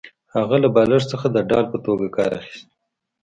هغه له بالښت څخه د ډال په توګه کار اخیست